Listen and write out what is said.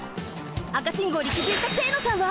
赤信号にきづいた清野さんは！？